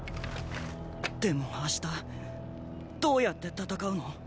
でも明日どうやって戦うの？